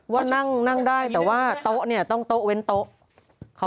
ว่านั่งได้แต่ว่าโต๊ะเนี่ยต้องโต๊ะเว้นโต๊ะ